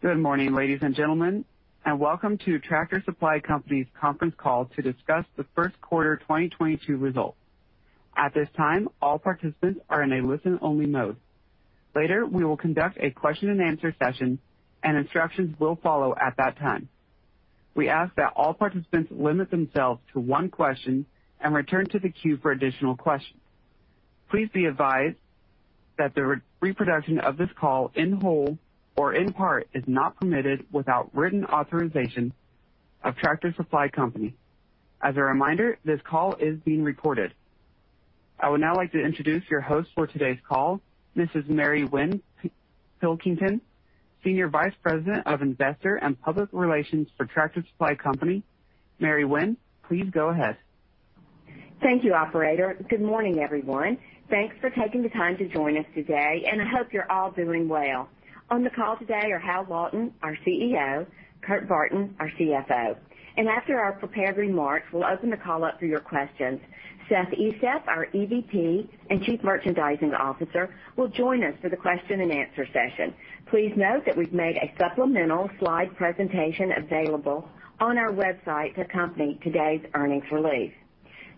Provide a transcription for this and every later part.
Good morning, ladies and gentlemen, and welcome to Tractor Supply Company's conference call to discuss the first quarter 2022 results. At this time, all participants are in a listen-only mode. Later, we will conduct a question-and-answer session and instructions will follow at that time. We ask that all participants limit themselves to one question and return to the queue for additional questions. Please be advised that the re-reproduction of this call in whole or in part is not permitted without written authorization of Tractor Supply Company. As a reminder, this call is being recorded. I would now like to introduce your host for today's call, Mrs. Mary Winn Pilkington, Senior Vice President of Investor and Public Relations for Tractor Supply Company. Mary Winn, please go ahead. Thank you, operator. Good morning, everyone. Thanks for taking the time to join us today, and I hope you're all doing well. On the call today are Hal Lawton, our CEO, Kurt Barton, our CFO. After our prepared remarks, we'll open the call up for your questions. Seth Estep, our EVP and Chief Merchandising Officer will join us for the question-and-answer session. Please note that we've made a supplemental slide presentation available on our website to accompany today's earnings release.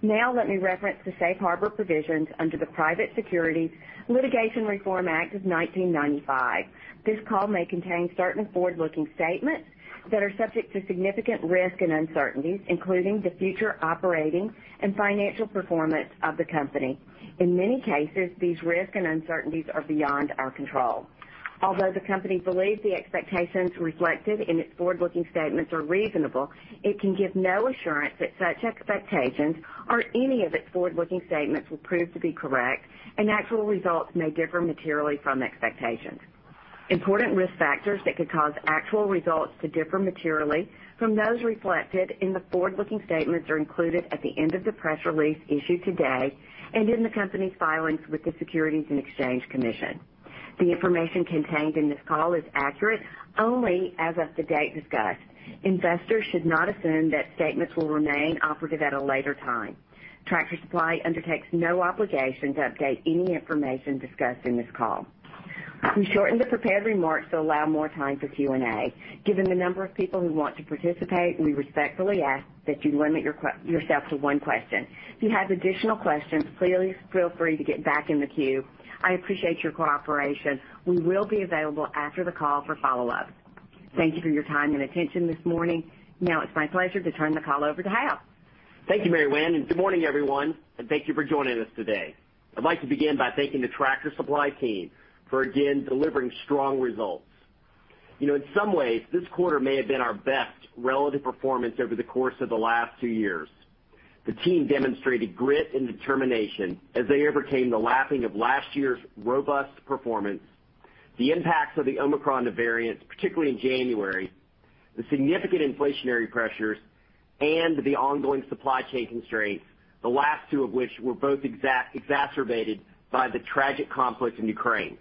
Now let me reference the safe harbor provisions under the Private Securities Litigation Reform Act of 1995. This call may contain certain forward-looking statements that are subject to significant risk and uncertainties, including the future operating and financial performance of the company. In many cases, these risks and uncertainties are beyond our control. Although the company believes the expectations reflected in its forward-looking statements are reasonable, it can give no assurance that such expectations or any of its forward-looking statements will prove to be correct, and actual results may differ materially from expectations. Important risk factors that could cause actual results to differ materially from those reflected in the forward-looking statements are included at the end of the press release issued today and in the company's filings with the Securities and Exchange Commission. The information contained in this call is accurate only as of the date discussed. Investors should not assume that statements will remain operative at a later time. Tractor Supply undertakes no obligation to update any information discussed in this call. We shortened the prepared remarks to allow more time for Q&A. Given the number of people who want to participate, we respectfully ask that you limit yourself to one question. If you have additional questions, please feel free to get back in the queue. I appreciate your cooperation. We will be available after the call for follow-up. Thank you for your time and attention this morning. Now it's my pleasure to turn the call over to Hal. Thank you, Mary Winn, and good morning, everyone, and thank you for joining us today. I'd like to begin by thanking the Tractor Supply team for again delivering strong results. You know, in some ways, this quarter may have been our best relative performance over the course of the last two years. The team demonstrated grit and determination as they overcame the lapping of last year's robust performance, the impacts of the Omicron variant, particularly in January, the significant inflationary pressures and the ongoing supply chain constraints, the last two of which were both exacerbated by the tragic conflict in Ukraine.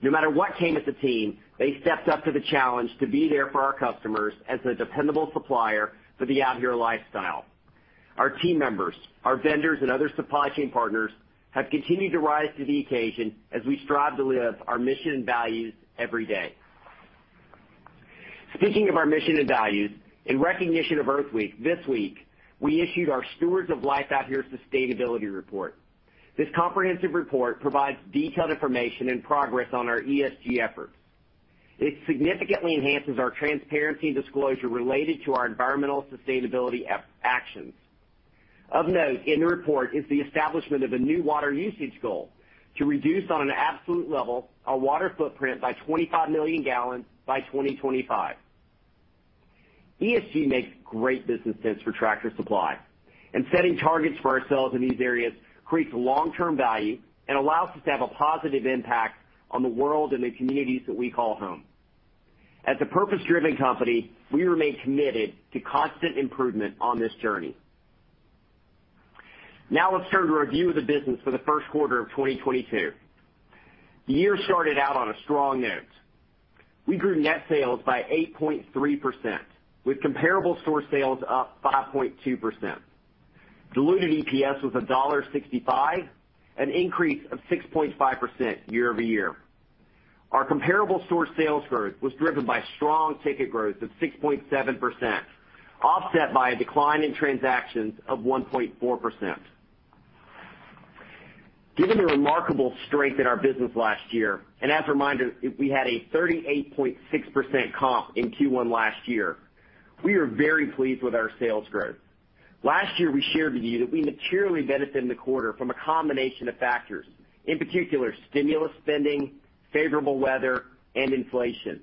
No matter what came at the team, they stepped up to the challenge to be there for our customers as a dependable supplier for the Out Here lifestyle. Our team members, our vendors, and other supply chain partners have continued to rise to the occasion as we strive to live our mission and values every day. Speaking of our mission and values, in recognition of Earth Week this week, we issued our Stewards of Life Out Here sustainability report. This comprehensive report provides detailed information and progress on our ESG efforts. It significantly enhances our transparency and disclosure related to our environmental sustainability actions. Of note, in the report is the establishment of a new water usage goal to reduce on an absolute level our water footprint by 25 million gallons by 2025. ESG makes great business sense for Tractor Supply, and setting targets for ourselves in these areas creates long-term value and allows us to have a positive impact on the world and the communities that we call home. As a purpose-driven company, we remain committed to constant improvement on this journey. Now let's turn to a review of the business for the first quarter of 2022. The year started out on a strong note. We grew net sales by 8.3%, with comparable store sales up 5.2%. Diluted EPS was $1.65, an increase of 6.5% year-over-year. Our comparable store sales growth was driven by strong ticket growth of 6.7%, offset by a decline in transactions of 1.4%. Given the remarkable strength in our business last year, and as a reminder, we had a 38.6% comp in Q1 last year, we are very pleased with our sales growth. Last year, we shared with you that we materially benefited in the quarter from a combination of factors, in particular stimulus spending, favorable weather, and inflation.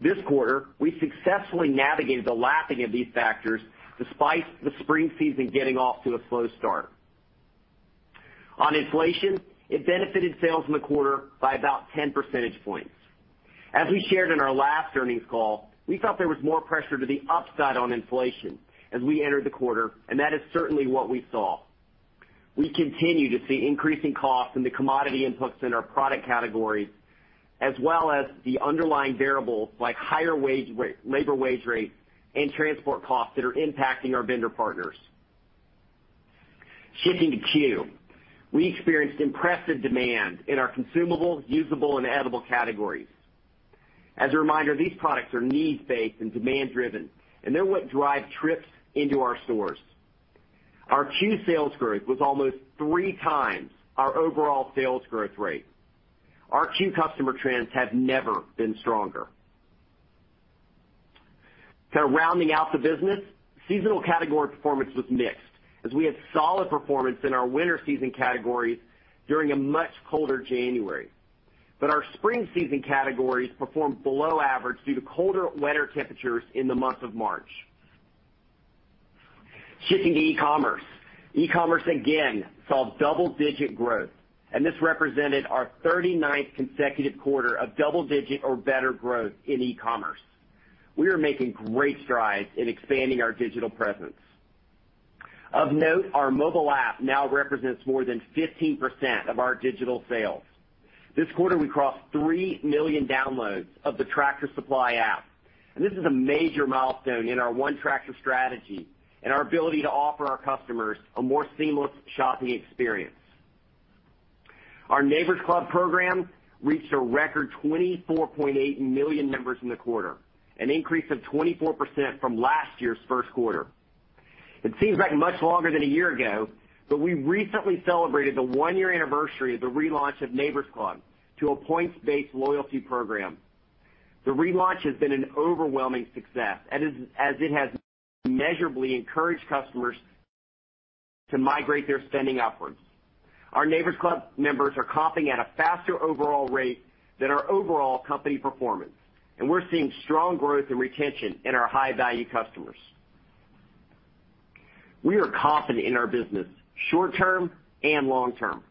This quarter, we successfully navigated the lapping of these factors despite the spring season getting off to a slow start. On inflation, it benefited sales in the quarter by about 10 percentage points. As we shared in our last earnings call, we thought there was more pressure to the upside on inflation as we entered the quarter, and that is certainly what we saw. We continue to see increasing costs in the commodity inputs in our product categories, as well as the underlying variables like higher labor wage rates and transport costs that are impacting our vendor partners. Shifting to C.U.E.. We experienced impressive demand in our consumable, usable, and edible categories. As a reminder, these products are needs-based and demand-driven, and they're what drive trips into our stores. Our C.U.E. sales growth was almost three times our overall sales growth rate. Our C.U.E. customer trends have never been stronger. Kind of rounding out the business, seasonal category performance was mixed as we had solid performance in our winter season categories during a much colder January. Our spring season categories performed below average due to colder weather temperatures in the month of March. Shifting to e-commerce. E-commerce again saw double-digit growth, and this represented our 39th consecutive quarter of double-digit or better growth in e-commerce. We are making great strides in expanding our digital presence. Of note, our mobile app now represents more than 15% of our digital sales. This quarter, we crossed 3 million downloads of the Tractor Supply app, and this is a major milestone in our One Tractor strategy and our ability to offer our customers a more seamless shopping experience. Our Neighbor's Club program reached a record 24.8 million members in the quarter, an increase of 24% from last year's first quarter. It seems like much longer than a year ago, but we recently celebrated the one-year anniversary of the relaunch of Neighbor's Club to a points-based loyalty program. The relaunch has been an overwhelming success, as it has measurably encouraged customers to migrate their spending upwards. Our Neighbor's Club members are comping at a faster overall rate than our overall company performance, and we're seeing strong growth and retention in our high-value customers. We are confident in our business short-term and long-term.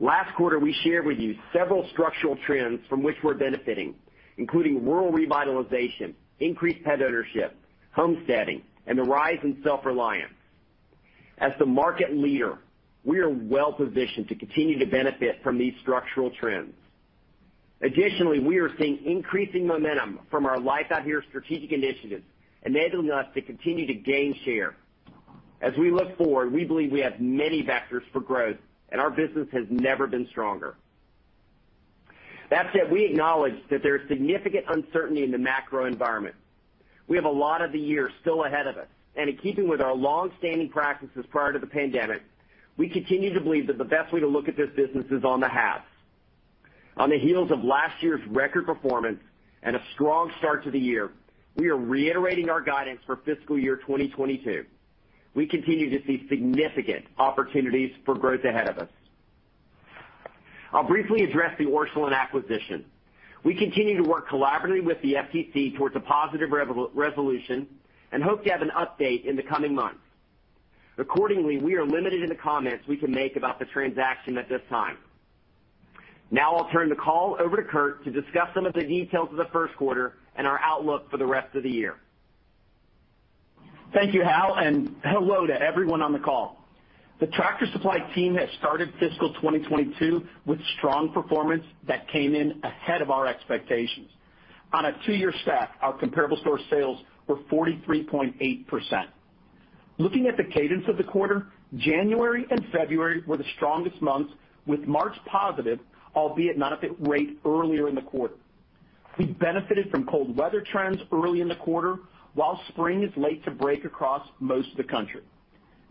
Last quarter, we shared with you several structural trends from which we're benefiting, including rural revitalization, increased pet ownership, homesteading, and the rise in self-reliance. As the market leader, we are well-positioned to continue to benefit from these structural trends. Additionally, we are seeing increasing momentum from our Life Out Here strategic initiatives, enabling us to continue to gain share. As we look forward, we believe we have many vectors for growth, and our business has never been stronger. That said, we acknowledge that there is significant uncertainty in the macro environment. We have a lot of the year still ahead of us, and in keeping with our long-standing practices prior to the pandemic, we continue to believe that the best way to look at this business is on the halves. On the heels of last year's record performance and a strong start to the year, we are reiterating our guidance for fiscal year 2022. We continue to see significant opportunities for growth ahead of us. I'll briefly address the Orscheln acquisition. We continue to work collaboratively with the FTC towards a positive resolution and hope to have an update in the coming months. Accordingly, we are limited in the comments we can make about the transaction at this time. Now I'll turn the call over to Kurt to discuss some of the details of the first quarter and our outlook for the rest of the year. Thank you, Hal, and hello to everyone on the call. The Tractor Supply team has started fiscal 2022 with strong performance that came in ahead of our expectations. On a two-year stack, our comparable store sales were 43.8%. Looking at the cadence of the quarter, January and February were the strongest months, with March positive, albeit not at the rate earlier in the quarter. We benefited from cold weather trends early in the quarter, while spring is late to break across most of the country.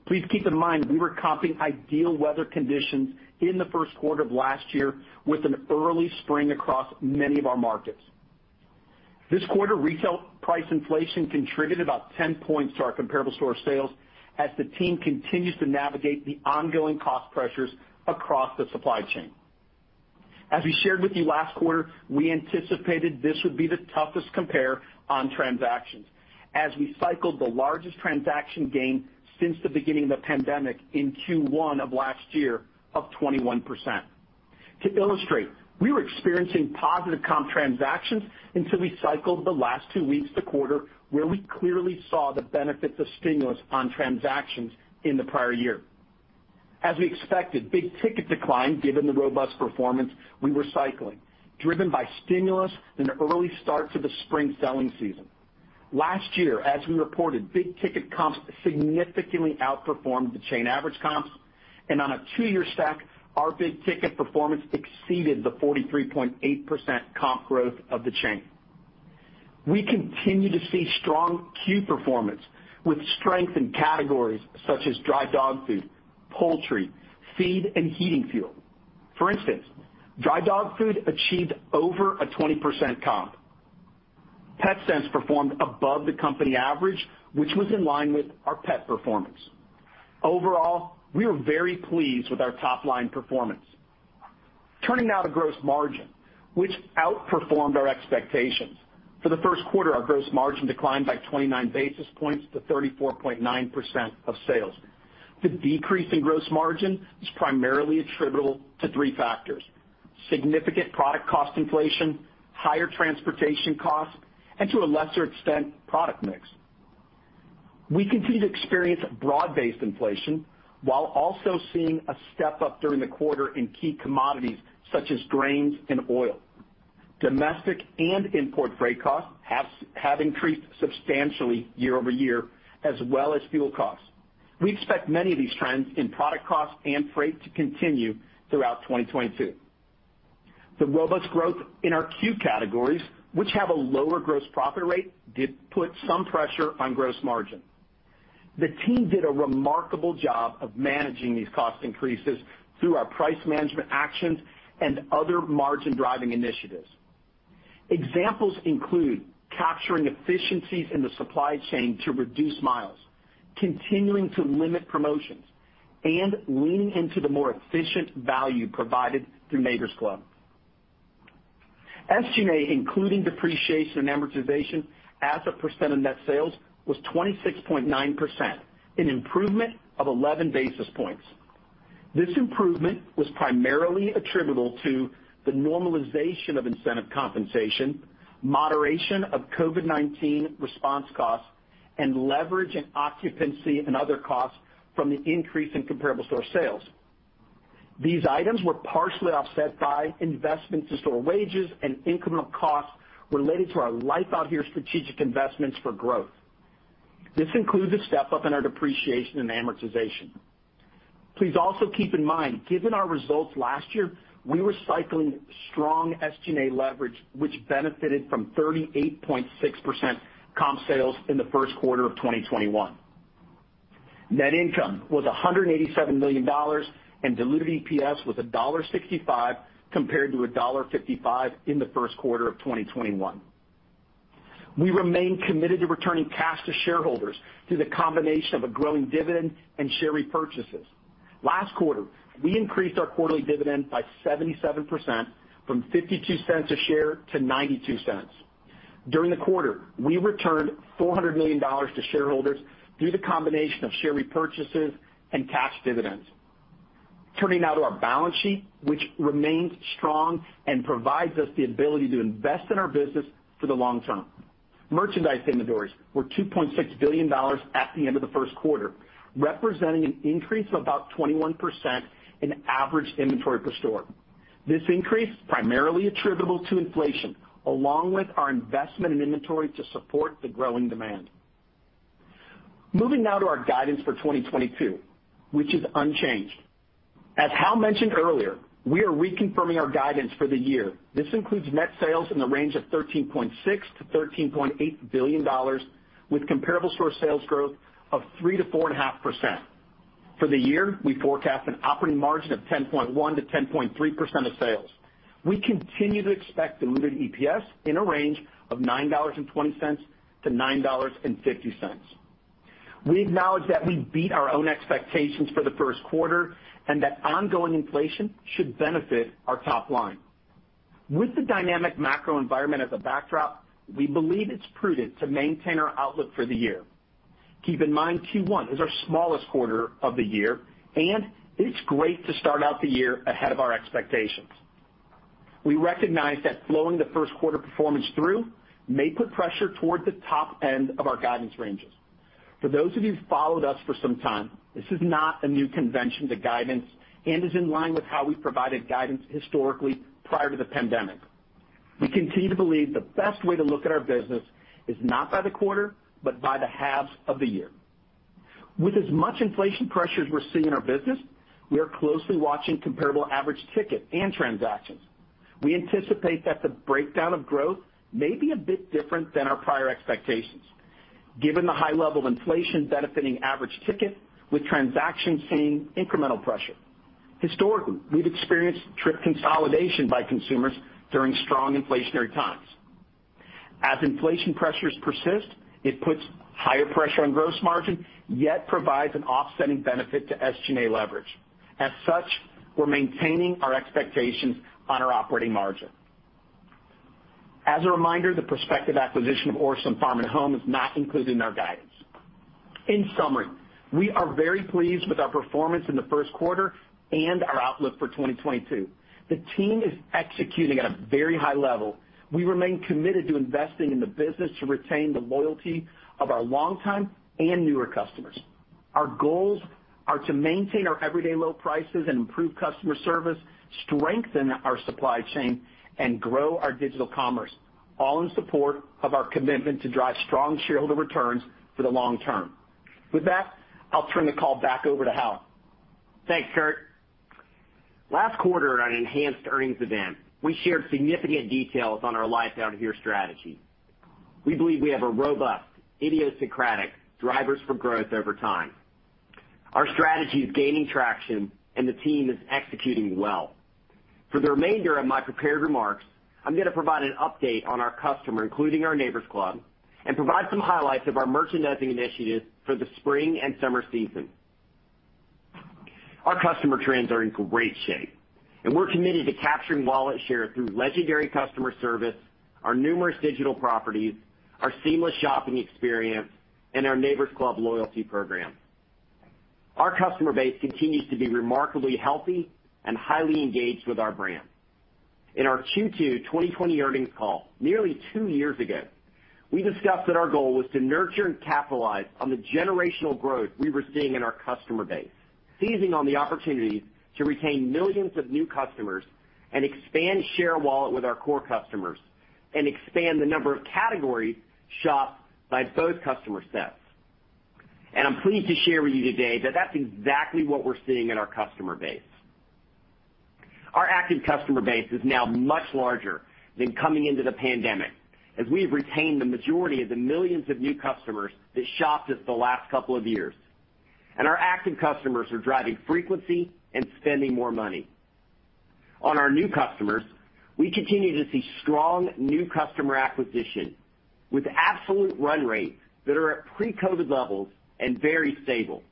Please keep in mind we were comping ideal weather conditions in the first quarter of last year with an early spring across many of our markets. This quarter, retail price inflation contributed about 10 points to our comparable store sales as the team continues to navigate the ongoing cost pressures across the supply chain. As we shared with you last quarter, we anticipated this would be the toughest compare on transactions as we cycled the largest transaction gain since the beginning of the pandemic in Q1 of last year of 21%. To illustrate, we were experiencing positive comp transactions until we cycled the last two weeks of the quarter, where we clearly saw the benefits of stimulus on transactions in the prior-year. As we expected, big-ticket declined given the robust performance we were cycling, driven by stimulus and an early start to the spring selling season. Last year, as we reported, big ticket comps significantly outperformed the chain average comps, and on a two-year stack, our big ticket performance exceeded the 43.8% comp growth of the chain. We continue to see strong Q performance, with strength in categories such as dry dog food, poultry, feed, and heating fuel. For instance, dry dog food achieved over a 20% comp. Petsense performed above the company average, which was in line with our pet performance. Overall, we are very pleased with our top-line performance. Turning now to gross margin, which outperformed our expectations. For the first quarter, our gross margin declined by 29 basis points to 34.9% of sales. The decrease in gross margin is primarily attributable to three factors, significant product cost inflation, higher transportation costs, and to a lesser extent, product mix. We continue to experience broad-based inflation while also seeing a step-up during the quarter in key commodities such as grains and oil. Domestic and import freight costs have increased substantially year-over-year, as well as fuel costs. We expect many of these trends in product costs and freight to continue throughout 2022. The robust growth in our C categories, which have a lower gross profit rate, did put some pressure on gross margin. The team did a remarkable job of managing these cost increases through our price management actions and other margin-driving initiatives. Examples include capturing efficiencies in the supply chain to reduce miles, continuing to limit promotions, and leaning into the more efficient value provided through Neighbor's Club. SG&A, including depreciation and amortization as a percent of net sales, was 26.9%, an improvement of 11 basis points. This improvement was primarily attributable to the normalization of incentive compensation, moderation of COVID-19 response costs, and leverage and occupancy and other costs from the increase in comparable store sales. These items were partially offset by investments to store wages and incremental costs related to our Life Out Here strategic investments for growth. This includes a step-up in our depreciation and amortization. Please also keep in mind, given our results last year, we were cycling strong SG&A leverage, which benefited from 38.6% comp sales in the first quarter of 2021. Net income was $187 million, and diluted EPS was $1.65 compared to $1.55 in the first quarter of 2021. We remain committed to returning cash to shareholders through the combination of a growing dividend and share repurchases. Last quarter, we increased our quarterly dividend by 77% from $0.52 a share to $0.92. During the quarter, we returned $400 million to shareholders through the combination of share repurchases and cash dividends. Turning now to our balance sheet, which remains strong and provides us the ability to invest in our business for the long term. Merchandise inventories were $2.6 billion at the end of the first quarter, representing an increase of about 21% in average inventory per store. This increase is primarily attributable to inflation, along with our investment in inventory to support the growing demand. Moving now to our guidance for 2022, which is unchanged. As Hal mentioned earlier, we are reconfirming our guidance for the year. This includes net sales in the range of $13.6 billion-$13.8 billion with comparable store sales growth of 3%-4.5%. For the year, we forecast an operating margin of 10.1%-10.3% of sales. We continue to expect diluted EPS in a range of $9.20-$9.50. We acknowledge that we beat our own expectations for the first quarter and that ongoing inflation should benefit our top line. With the dynamic macro environment as a backdrop, we believe it's prudent to maintain our outlook for the year. Keep in mind, Q1 is our smallest quarter of the year, and it's great to start out the year ahead of our expectations. We recognize that flowing the first quarter performance through may put pressure toward the top end of our guidance ranges. For those of you who've followed us for some time, this is not a new convention to guidance and is in line with how we provided guidance historically prior to the pandemic. We continue to believe the best way to look at our business is not by the quarter, but by the halves of the year. With as much inflation pressures we're seeing in our business, we are closely watching comparable average ticket and transactions. We anticipate that the breakdown of growth may be a bit different than our prior expectations, given the high level of inflation benefiting average ticket with transactions seeing incremental pressure. Historically, we've experienced trip consolidation by consumers during strong inflationary times. As inflation pressures persist, it puts higher pressure on gross margin, yet provides an offsetting benefit to SG&A leverage. As such, we're maintaining our expectations on our operating margin. As a reminder, the prospective acquisition of Orscheln Farm & Home is not included in our guidance. In summary, we are very pleased with our performance in the first quarter and our outlook for 2022. The team is executing at a very high level. We remain committed to investing in the business to retain the loyalty of our long-time and newer customers. Our goals are to maintain our everyday low prices and improve customer service, strengthen our supply chain, and grow our digital commerce, all in support of our commitment to drive strong shareholder returns for the long term. With that, I'll turn the call back over to Hal. Thanks, Kurt. Last quarter at an enhanced earnings event, we shared significant details on our Life Out Here strategy. We believe we have a robust, idiosyncratic drivers for growth over time. Our strategy is gaining traction and the team is executing well. For the remainder of my prepared remarks, I'm gonna provide an update on our customer, including our Neighbor's Club, and provide some highlights of our merchandising initiatives for the spring and summer season. Our customer trends are in great shape, and we're committed to capturing wallet share through legendary customer service, our numerous digital properties, our seamless shopping experience, and our Neighbor's Club loyalty program. Our customer base continues to be remarkably healthy and highly engaged with our brand. In our Q2 2020 earnings call, nearly two years ago. We discussed that our goal was to nurture and capitalize on the generational growth we were seeing in our customer base, seizing on the opportunities to retain millions of new customers and expand share wallet with our core customers and expand the number of categories shopped by both customer sets. I'm pleased to share with you today that that's exactly what we're seeing in our customer base. Our active customer base is now much larger than coming into the pandemic, as we've retained the majority of the millions of new customers that shopped us the last couple of years. Our active customers are driving frequency and spending more money. On our new customers, we continue to see strong new customer acquisition with absolute run rates that are at pre-COVID levels and very stable.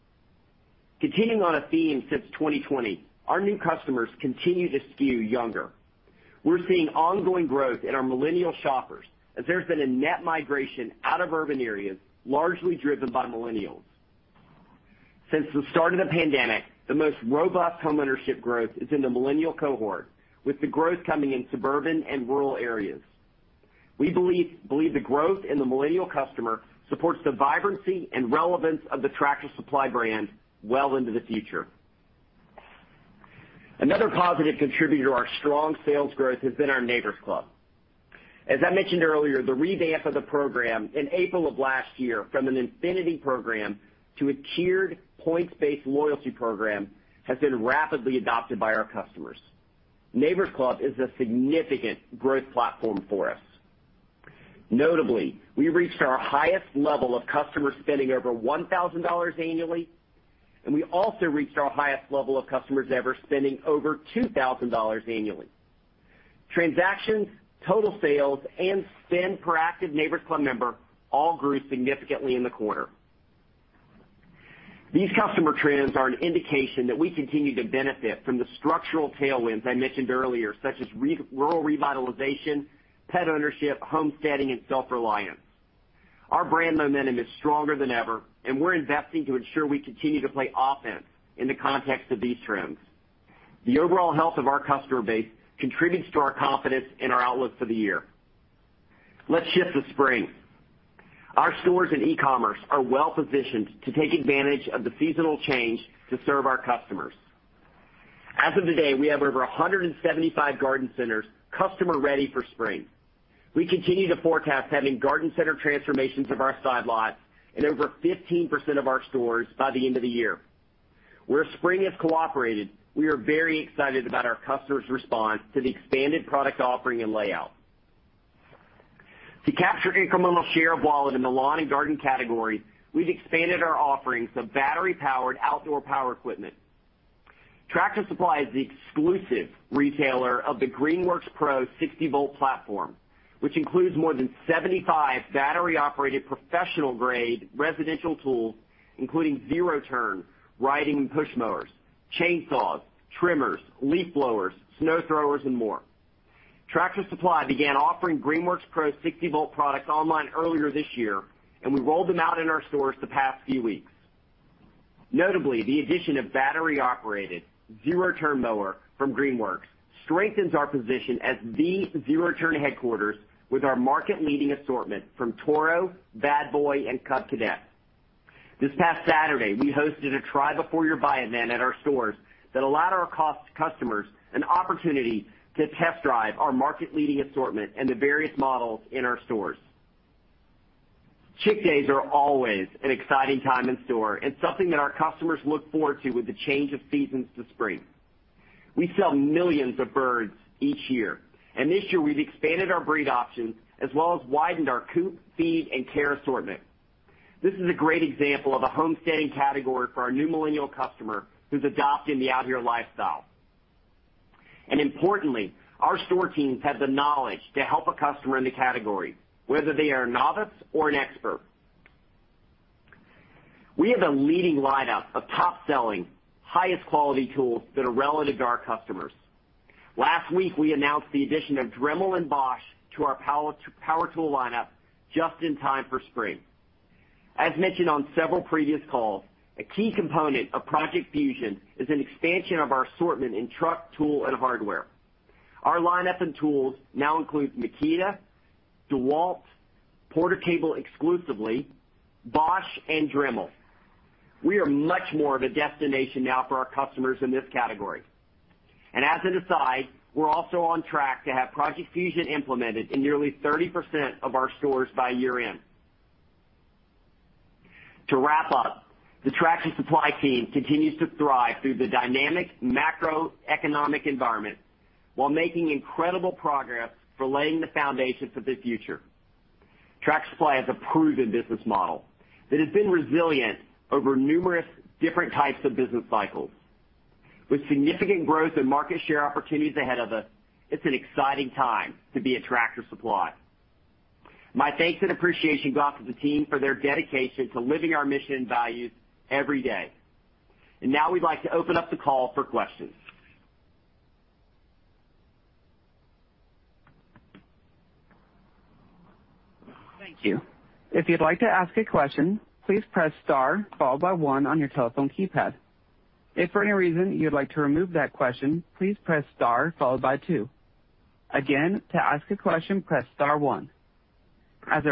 Continuing on a theme since 2020, our new customers continue to skew younger. We're seeing ongoing growth in our millennial shoppers as there's been a net migration out of urban areas, largely driven by millennials. Since the start of the pandemic, the most robust homeownership growth is in the millennial cohort, with the growth coming in suburban and rural areas. We believe the growth in the millennial customer supports the vibrancy and relevance of the Tractor Supply brand well into the future. Another positive contributor to our strong sales growth has been our Neighbor's Club. As I mentioned earlier, the revamp of the program in April of last year from an infinity program to a tiered points-based loyalty program has been rapidly adopted by our customers. Neighbor's Club is a significant growth platform for us. Notably, we reached our highest level of customers spending over $1,000 annually, and we also reached our highest level of customers ever spending over $2,000 annually. Transactions, total sales, and spend per active Neighbor's Club member all grew significantly in the quarter. These customer trends are an indication that we continue to benefit from the structural tailwinds I mentioned earlier, such as rural revitalization, pet ownership, homesteading, and self-reliance. Our brand momentum is stronger than ever, and we're investing to ensure we continue to play offense in the context of these trends. The overall health of our customer base contributes to our confidence in our outlook for the year. Let's shift to spring. Our stores and e-commerce are well positioned to take advantage of the seasonal change to serve our customers. As of today, we have over 175 garden centers customer ready for spring. We continue to forecast having garden center transformations of our side lots in over 15% of our stores by the end of the year. Where spring has cooperated, we are very excited about our customers' response to the expanded product offering and layout. To capture incremental share of wallet in the lawn and garden category, we've expanded our offerings of battery-powered outdoor power equipment. Tractor Supply is the exclusive retailer of the Greenworks Pro 60-volt platform, which includes more than 75 battery-operated professional-grade residential tools, including zero-turn, riding and push mowers, chainsaws, trimmers, leaf blowers, snow throwers, and more. Tractor Supply began offering Greenworks Pro 60-volt products online earlier this year, and we've rolled them out in our stores the past few weeks. Notably, the addition of battery-operated zero-turn mower from Greenworks strengthens our position as the zero-turn headquarters with our market-leading assortment from Toro, Bad Boy, and Cub Cadet. This past Saturday, we hosted a try before you buy event at our stores that allowed our customers an opportunity to test drive our market-leading assortment and the various models in our stores. Chick Days are always an exciting time in store and something that our customers look forward to with the change of seasons to spring. We sell millions of birds each year, and this year we've expanded our breed options as well as widened our coop, feed, and care assortment. This is a great example of a homesteading category for our new millennial customer who's adopting the outdoor lifestyle. Importantly, our store teams have the knowledge to help a customer in the category, whether they are a novice or an expert. We have a leading lineup of top-selling, highest quality tools that are relevant to our customers. Last week, we announced the addition of Dremel and Bosch to our power tool lineup just in time for spring. As mentioned on several previous calls, a key component of Project Fusion is an expansion of our assortment in truck, tool, and hardware. Our lineup in tools now includes Makita, DeWalt, PORTER-CABLE exclusively, Bosch, and Dremel. We are much more of a destination now for our customers in this category. As an aside, we're also on track to have Project Fusion implemented in nearly 30% of our stores by year-end. To wrap up, the Tractor Supply team continues to thrive through the dynamic macroeconomic environment while making incredible progress for laying the foundations of the future. Tractor Supply has a proven business model that has been resilient over numerous different types of business cycles. With significant growth and market share opportunities ahead of us, it's an exciting time to be at Tractor Supply. My thanks and appreciation go out to the team for their dedication to living our mission and values every day. Now we'd like to open up the call for questions. Our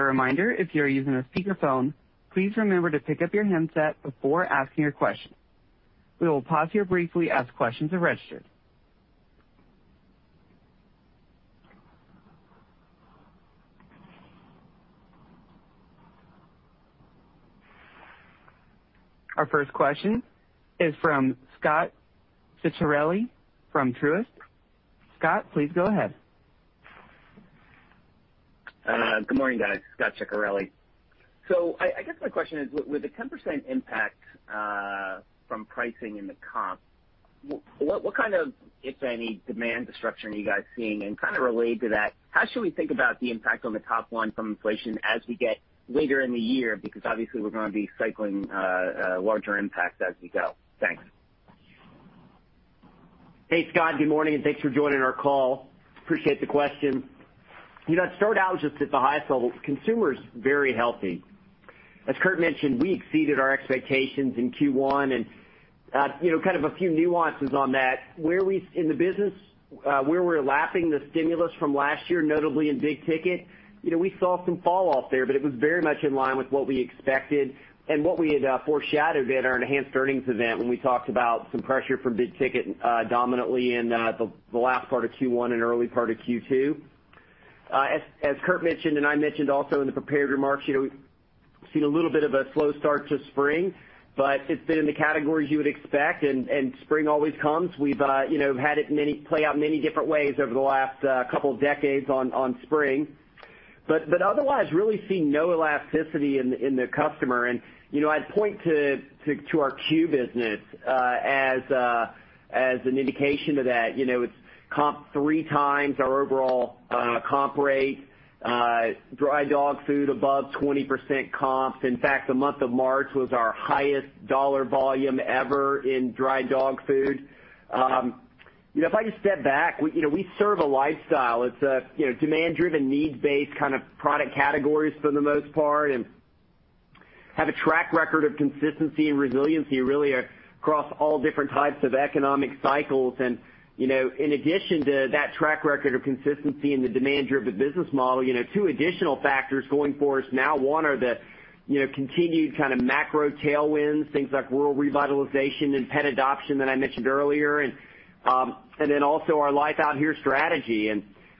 first question is from Scot Ciccarelli from Truist. Scott, please go ahead. Good morning, guys. Scot Ciccarelli. I guess my question is, with the 10% impact from pricing in the comp, what kind of, if any, demand destruction are you guys seeing? Kinda related to that, how should we think about the impact on the top line from inflation as we get later in the year? Because obviously we're gonna be cycling larger impact as we go. Thanks. Hey, Scott. Good morning, and thanks for joining our call. Appreciate the question. You know, to start out just at the highest level, consumer is very healthy. As Kurt mentioned, we exceeded our expectations in Q1. You know, kind of a few nuances on that. In the business, where we're lapping the stimulus from last year, notably in big ticket, you know, we saw some fall off there, but it was very much in line with what we expected and what we had foreshadowed at our enhanced earnings event when we talked about some pressure from big ticket, dominantly in the last part of Q1 and early part of Q2. As Kurt mentioned and I mentioned also in the prepared remarks, you know, we've seen a little bit of a slow start to spring, but it's been in the categories you would expect. Spring always comes. We've, you know, had it play out many different ways over the last couple decades on spring. Otherwise we really see no elasticity in the customer. You know, I'd point to our consumables business as an indication of that. You know, it's comp three times our overall comp rate, dry dog food above 20% comps. In fact, the month of March was our highest dollar volume ever in dry dog food. You know, if I just step back, we, you know, we serve a lifestyle. It's a, you know, demand driven, needs based kind of product categories for the most part, and have a track record of consistency and resiliency really across all different types of economic cycles. You know, in addition to that track record of consistency in the demand-driven business model, you know, two additional factors going for us now. One are the, you know, continued kinda macro tailwinds, things like rural revitalization and pet adoption that I mentioned earlier. and then also our Life Out Here strategy.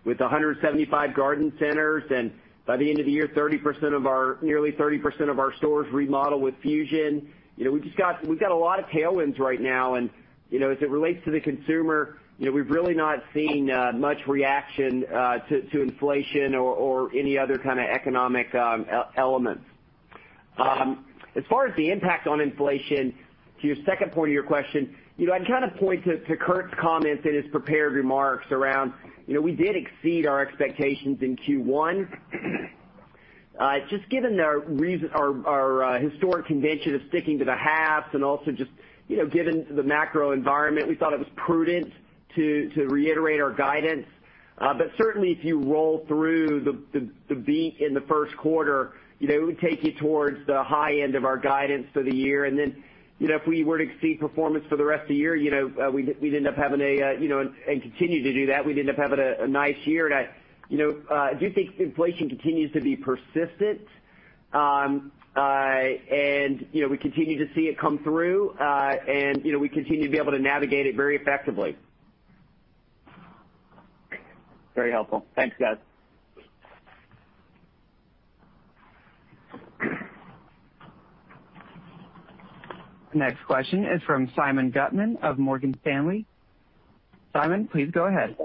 With 175 garden centers and by the end of the year, nearly 30% of our stores remodel with Fusion. You know, we've got a lot of tailwinds right now. You know, as it relates to the consumer, you know, we've really not seen much reaction to inflation or any other kinda economic elements. As far as the impact on inflation, to your second point of your question, you know, I'd kinda point to Kurt's comments in his prepared remarks around, you know, we did exceed our expectations in Q1. Just given our historic conviction of sticking to the halves and also just, you know, given the macro environment, we thought it was prudent to reiterate our guidance. But certainly if you roll through the beat in the first quarter, you know, it would take you towards the high end of our guidance for the year. You know, if we were to exceed performance for the rest of the year, you know, and continue to do that, we'd end up having a nice year. I do think inflation continues to be persistent. You know, we continue to see it come through. You know, we continue to be able to navigate it very effectively. Very helpful. Thanks, guys. The next question is from Simeon Gutman of Morgan Stanley. Simeon, please go ahead.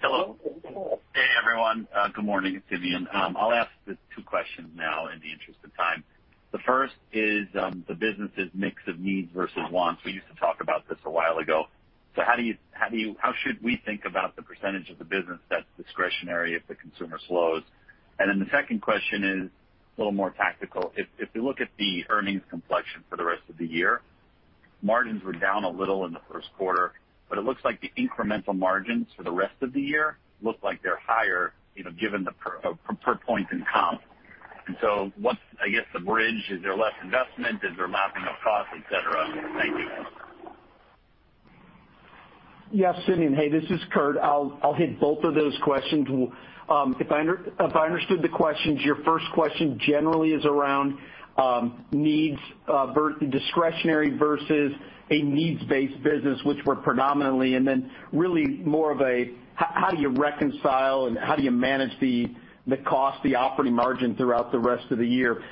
Hello. Hey, everyone. Good morning. It's Simeon. I'll ask the two questions now in the interest of time. The first is, the business' mix of needs versus wants. We used to talk about this a while ago. How should we think about the percentage of the business that's discretionary if the consumer slows? And then the second question is a little more tactical. If you look at the earnings complexion for the rest of the year, margins were down a little in the first quarter, but it looks like the incremental margins for the rest of the year look like they're higher, you know, given the per point in comp. What's, I guess, the bridge? Is there less investment? Is there not enough cost, et cetera? Thank you. Yes, Simeon. Hey, this is Kurt. I'll hit both of those questions. If I understood the questions, your first question generally is around needs versus discretionary versus a needs-based business, which we're predominantly. Really more of a how do you reconcile and how do you manage the cost, the operating margin throughout the rest of the year.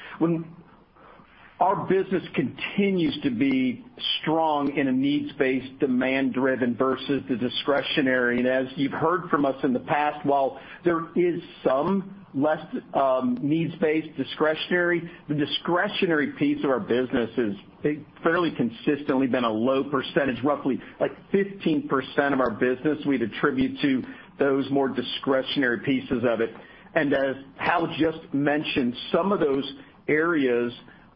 Our business continues to be strong in a needs-based, demand-driven versus the discretionary. As you've heard from us in the past, while there is some less needs-based discretionary, the discretionary piece of our business has fairly consistently been a low percentage. Roughly, like, 15% of our business we'd attribute to those more discretionary pieces of it. As Hal just mentioned, some of those areas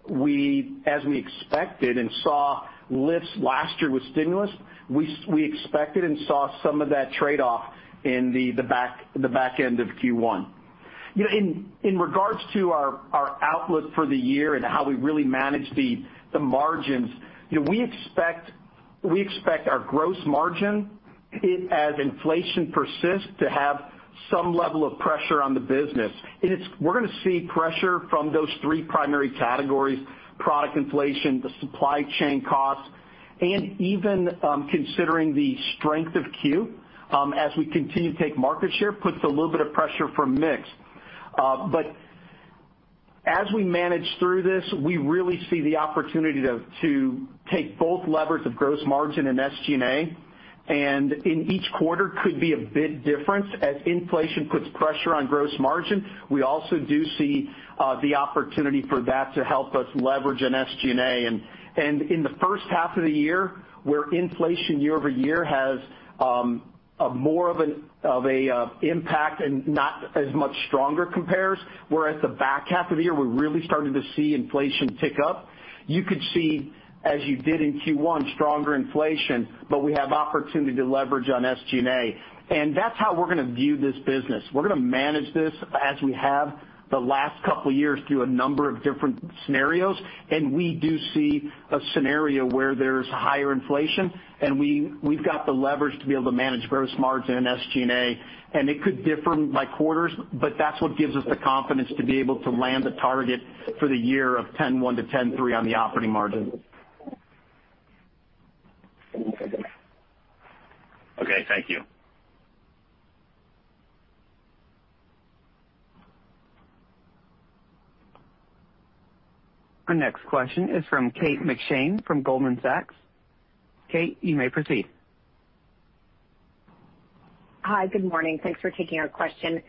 we, as we expected and saw lifts last year with stimulus, we expected and saw some of that trade-off in the back end of Q1. You know, in regards to our outlook for the year and how we really manage the margins, you know, we expect our gross margin as inflation persists to have some level of pressure on the business. We're gonna see pressure from those three primary categories, product inflation, the supply chain costs, and even considering the strength of Q, as we continue to take market share, puts a little bit of pressure from mix. As we manage through this, we really see the opportunity to take both levers of gross margin and SG&A, and in each quarter could be a bit different. As inflation puts pressure on gross margin, we also do see the opportunity for that to help us leverage in SG&A. In the first half of the year, where inflation year-over-year has a more of an impact and not as much stronger compares, whereas the back half of the year, we're really starting to see inflation tick up. You could see, as you did in Q1, stronger inflation, but we have opportunity to leverage on SG&A. That's how we're gonna view this business. We're gonna manage this as we have the last couple years through a number of different scenarios, and we do see a scenario where there's higher inflation, and we've got the leverage to be able to manage gross margin and SG&A. It could differ by quarters, but that's what gives us the confidence to be able to land a target for the year of 10.1%-10.3% on the operating margin. Okay. Thank you. Our next question is from Kate McShane from Goldman Sachs. Kate, you may proceed. Hi. Good morning. Thanks for taking our question.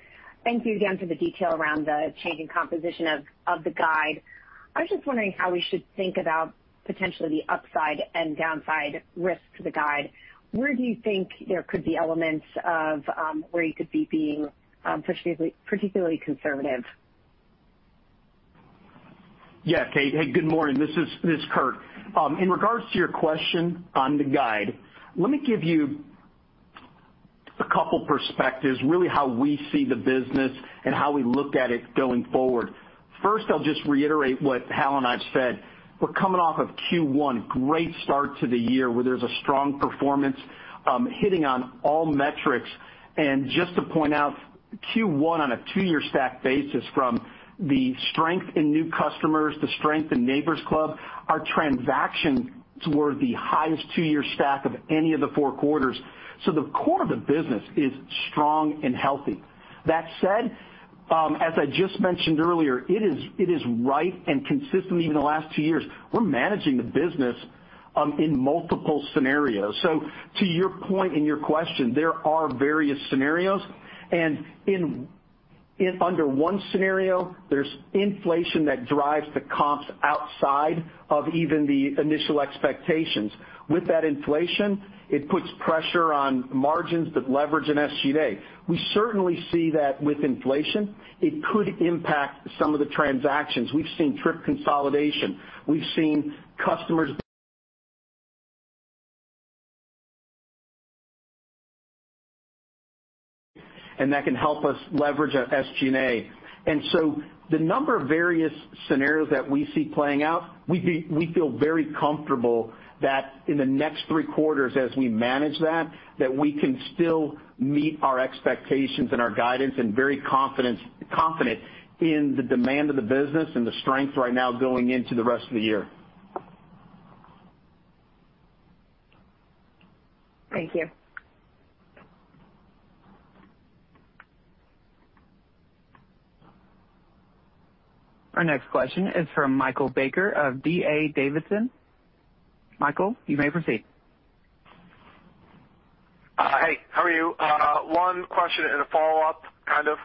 Thank you again for the detail around the change in composition of the guide. I was just wondering how we should think about potentially the upside and downside risks to the guide. Where do you think there could be elements of where you could be being particularly conservative? Yes, Kate. Hey, good morning. This is Kurt. In regards to your question on the guide, let me give you a couple perspectives, really how we see the business and how we look at it going forward. First, I'll just reiterate what Hal and I've said. We're coming off of Q1, great start to the year where there's a strong performance, hitting on all metrics. Just to point out, Q1 on a two-year stack basis from the strength in new customers, the strength in Neighbor's Club, our transactions were the highest two-year stack of any of the four quarters. The core of the business is strong and healthy. That said, as I just mentioned earlier, it is right and consistent even in the last two years, we're managing the business in multiple scenarios. To your point in your question, there are various scenarios. Under one scenario, there's inflation that drives the comps outside of even the initial expectations. With that inflation, it puts pressure on margins that leverage in SG&A. We certainly see that with inflation, it could impact some of the transactions. We've seen trip consolidation. We've seen customers. That can help us leverage our SG&A. The number of various scenarios that we see playing out, we feel very comfortable that in the next three quarters as we manage that we can still meet our expectations and our guidance and very confident in the demand of the business and the strength right now going into the rest of the year. Thank you. Our next question is from Michael Baker of D.A. Davidson. Michael, you may proceed. Hey, how are you? One question and a follow-up, kind of,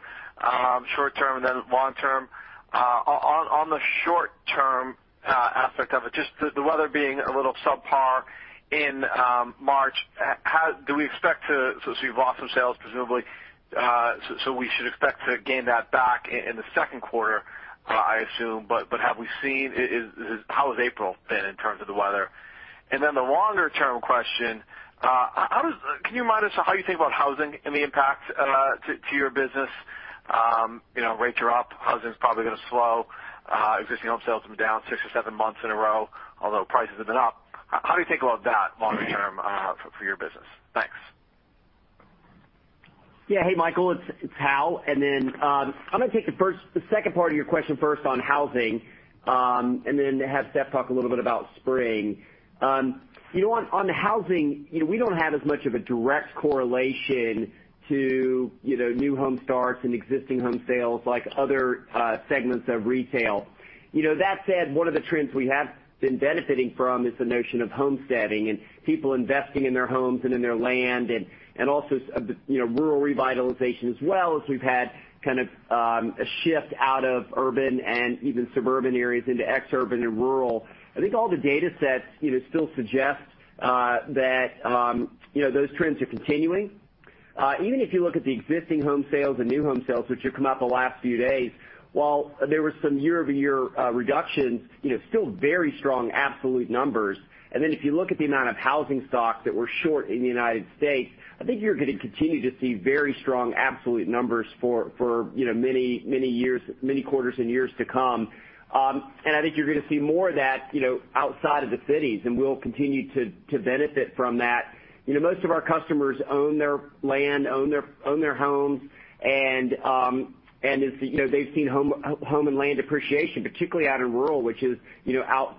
short term, then long term. On the short term aspect of it, just the weather being a little subpar in March, so you've lost some sales presumably, so we should expect to gain that back in the second quarter, I assume, but how has April been in terms of the weather? The longer term question, can you remind us how you think about housing and the impact to your business? You know, rates are up, housing's probably gonna slow. Existing home sales have been down six or seven months in a row, although prices have been up. How do you think about that longer term, for your business? Thanks. Yeah. Hey, Michael, it's Hal. Then I'm gonna take the second part of your question first on housing, and then have Seth talk a little bit about spring. You know what? On housing, you know, we don't have as much of a direct correlation to, you know, new home starts and existing home sales like other segments of retail. You know, that said, one of the trends we have been benefiting from is the notion of homesteading and people investing in their homes and in their land and also of the, you know, rural revitalization as well as we've had kind of a shift out of urban and even suburban areas into exurban and rural. I think all the datasets, you know, still suggest that you know those trends are continuing. Even if you look at the existing home sales and new home sales, which have come out the last few days, while there were some year-over-year reductions, you know, still very strong absolute numbers. If you look at the amount of housing stock that we're short in the United States, I think you're gonna continue to see very strong absolute numbers for many years, many quarters and years to come. I think you're gonna see more of that, you know, outside of the cities, and we'll continue to benefit from that. You know, most of our customers own their land, own their homes, and, as you know, they've seen home and land appreciation, particularly out in rural, which has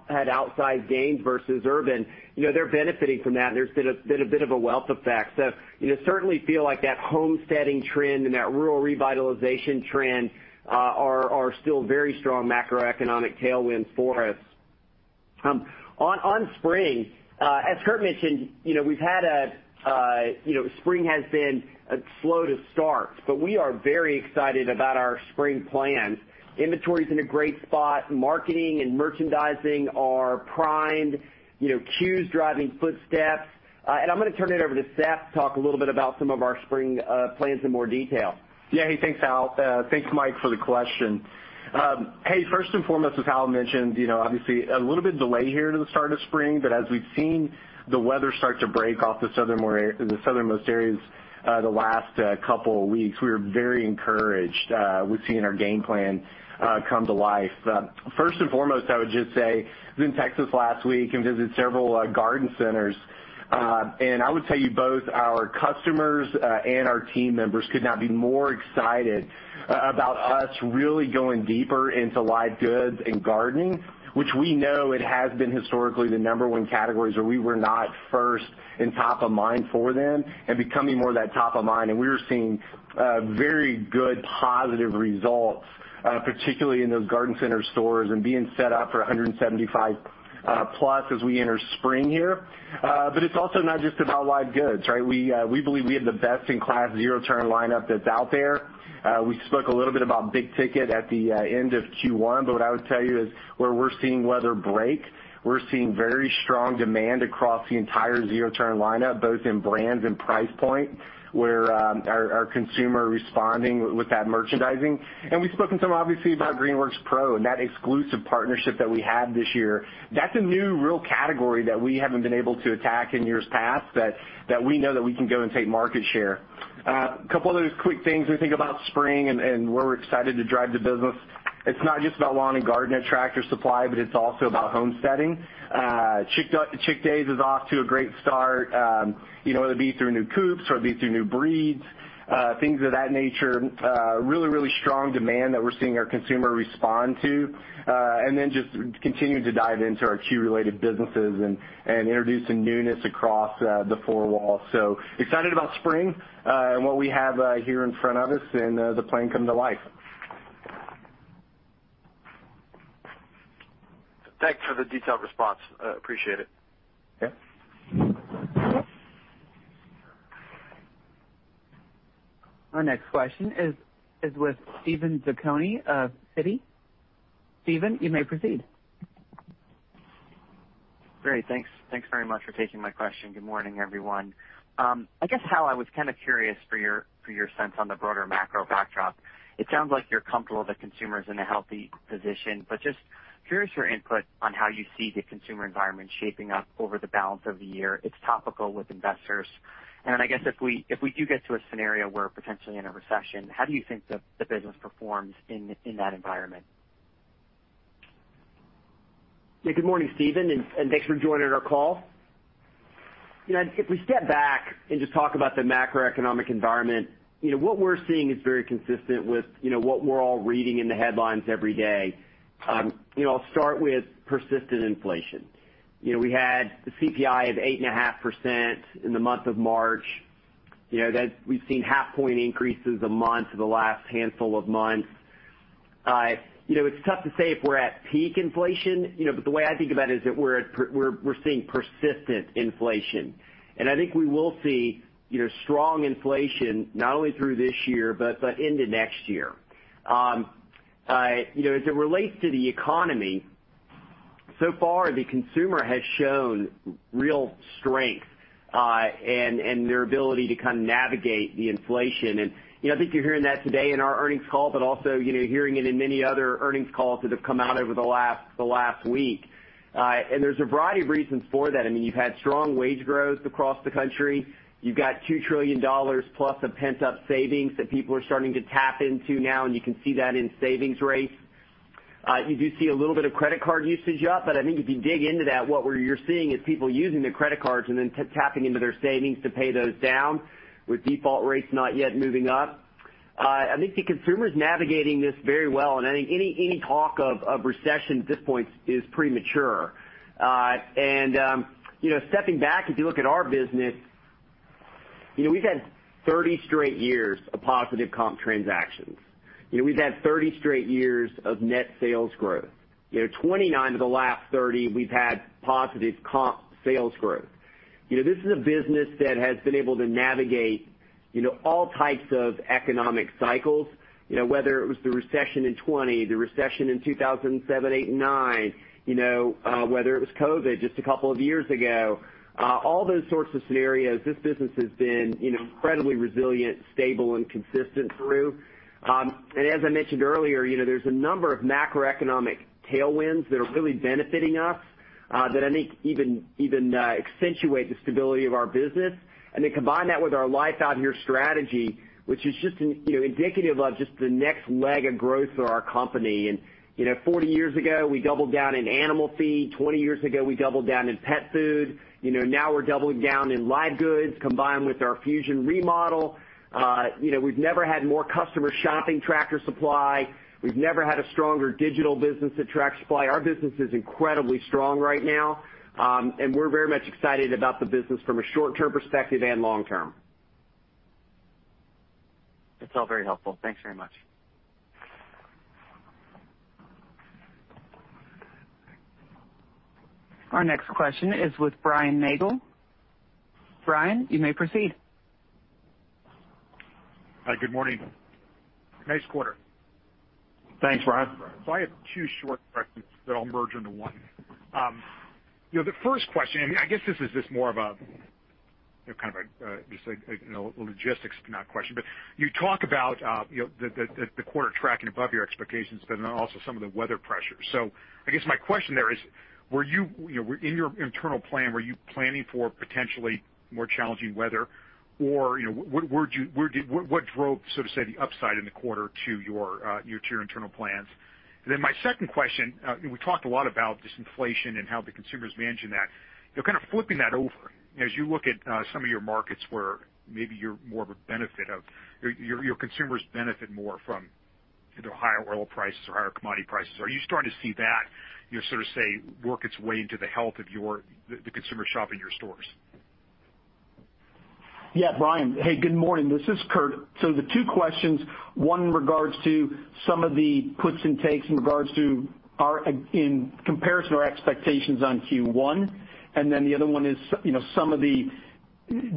had outsize gains versus urban. You know, they're benefiting from that, and there's been a bit of a wealth effect. You know, certainly feel like that homesteading trend and that rural revitalization trend are still very strong macroeconomic tailwinds for us. On spring, as Kurt mentioned, you know, spring has been slow to start, but we are very excited about our spring plans. Inventory's in a great spot. Marketing and merchandising are primed. You know, cues driving foot traffic. I'm gonna turn it over to Seth to talk a little bit about some of our spring plans in more detail. Yeah. Hey, thanks, Al. Thanks, Mike, for the question. Hey, first and foremost, as Al mentioned, you know, obviously a little bit of delay here to the start of spring. As we've seen the weather start to break off the southernmost areas, the last couple of weeks, we are very encouraged with seeing our game plan come to life. First and foremost, I would just say, I was in Texas last week and visited several garden centers, and I would tell you both our customers and our team members could not be more excited about us really going deeper into live goods and gardening, which we know it has been historically the number one categories where we were not first in top of mind for them and becoming more of that top of mind. We are seeing very good positive results, particularly in those garden center stores and being set up for 175 plus as we enter spring here. But it's also not just about live goods, right? We believe we have the best-in-class zero-turn lineup that's out there. We spoke a little bit about big-ticket at the end of Q1, but what I would tell you is where we're seeing weather break, we're seeing very strong demand across the entire zero-turn lineup, both in brands and price point, where our consumer responding with that merchandising. We've spoken some obviously about Greenworks Pro and that exclusive partnership that we have this year. That's a new real category that we haven't been able to attack in years past that we know that we can go and take market share. A couple other quick things we think about spring and where we're excited to drive the business. It's not just about lawn and garden at Tractor Supply, but it's also about home setting. Chick Days is off to a great start, you know, whether it be through new coops, whether it be through new breeds, things of that nature. And then just continuing to dive into our key related businesses and introducing newness across the four walls. Excited about spring and what we have here in front of us and the plan come to life. Thanks for the detailed response. Appreciate it. Yeah. Our next question is with Steven Zaccone of Citi. Steven, you may proceed. Great. Thanks. Thanks very much for taking my question. Good morning, everyone. I guess, Hal, I was kind of curious for your sense on the broader macro backdrop. It sounds like you're comfortable the consumer's in a healthy position, but just curious your input on how you see the consumer environment shaping up over the balance of the year. It's topical with investors. I guess if we do get to a scenario where potentially in a recession, how do you think the business performs in that environment? Yeah. Good morning, Steven, and thanks for joining our call. You know, if we step back and just talk about the macroeconomic environment, you know, what we're seeing is very consistent with, you know, what we're all reading in the headlines every day. You know, I'll start with persistent inflation. You know, we had the CPI of 8.5% in the month of March. You know, that's we've seen 0.5-point increases a month for the last handful of months. You know, it's tough to say if we're at peak inflation, you know, but the way I think about it is that we're seeing persistent inflation. I think we will see, you know, strong inflation not only through this year, but into next year. You know, as it relates to the economy, so far the consumer has shown real strength and their ability to kind of navigate the inflation. You know, I think you're hearing that today in our earnings call, but also, you know, hearing it in many other earnings calls that have come out over the last week. There's a variety of reasons for that. I mean, you've had strong wage growth across the country. You've got $2 trillion plus of pent-up savings that people are starting to tap into now, and you can see that in savings rates. You do see a little bit of credit card usage up, but I think if you dig into that, what you're seeing is people using their credit cards and then tapping into their savings to pay those down with default rates not yet moving up. I think the consumer's navigating this very well, and I think any talk of recession at this point is premature. You know, stepping back, if you look at our business, you know, we've had 30 straight years of positive comp transactions. You know, we've had 30 straight years of net sales growth. You know, 29 of the last 30 we've had positive comp sales growth. You know, this is a business that has been able to navigate You know, all types of economic cycles, you know, whether it was the recession in 2020, the recession in 2007, 2008, and 2009, you know, whether it was COVID just a couple of years ago, all those sorts of scenarios, this business has been, you know, incredibly resilient, stable, and consistent through. As I mentioned earlier, you know, there's a number of macroeconomic tailwinds that are really benefiting us, that I think even accentuate the stability of our business. Then combine that with our Life Out Here strategy, which is just an, you know, indicative of just the next leg of growth for our company. You know, 40 years ago, we doubled down in animal feed. 20 years ago, we doubled down in pet food. You know, now we're doubling down in live goods, combined with our Fusion remodel. You know, we've never had more customers shopping Tractor Supply. We've never had a stronger digital business at Tractor Supply. Our business is incredibly strong right now, and we're very much excited about the business from a short-term perspective and long term. It's all very helpful. Thanks very much. Our next question is with Brian Nagel. Brian, you may proceed. Hi, good morning. Nice quarter. Thanks, Brian. I have two short questions that I'll merge into one. You know, the first question, I mean, I guess this is just more of a, kind of a, just a, you know, a logistics question. But you talk about, you know, the quarter tracking above your expectations, but then also some of the weather pressures. I guess my question there is, were you know, in your internal plan, were you planning for potentially more challenging weather? Or, you know, what drove, so to say, the upside in the quarter to your internal plans? And then my second question, we talked a lot about just inflation and how the consumer's managing that. You're kind of flipping that over. As you look at some of your markets where maybe your consumers benefit more from either higher oil prices or higher commodity prices. Are you starting to see that you sort of see work its way into the health of the consumers shopping in your stores? Yeah, Brian. Hey, good morning. This is Kurt. The two questions, one regards to some of the puts and takes in regards to our, in comparison to our expectations on Q1, and then the other one is, you know, some of the